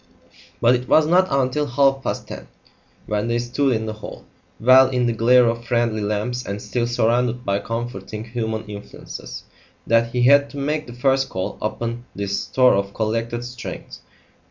But it was not until half past ten, when they stood in the hall, well in the glare of friendly lamps and still surrounded by comforting human influences, that he had to make the first call upon this store of collected strength.